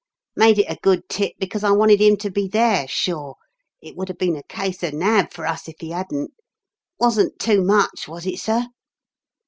Made it a good tip because I wanted him to be there sure it would have been a case of 'nab' for us if he hadn't. Wasn't too much, was it, sir?"